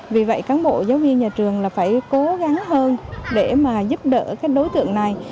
vì vậy cán bộ giáo viên nhà trường là phải cố gắng hơn để mà giúp đỡ cái đối tượng này